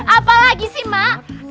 apa lagi sih mak